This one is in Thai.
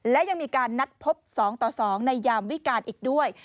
และยังมีการนัดพบ๒ต่อ๒ในยามวิการอีกด้วย